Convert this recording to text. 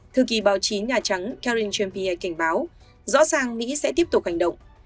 thư kỳ báo chí nhà trắng karen champier cảnh báo rõ ràng mỹ sẽ tiếp tục hành động